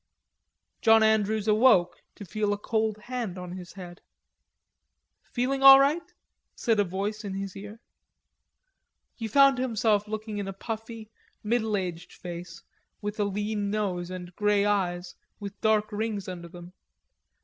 John Andrews awoke to feel a cold hand on his head. "Feeling all right?" said a voice in his ear. He found himself looking in a puffy, middle aged face, with a lean nose and grey eyes, with dark rings under them.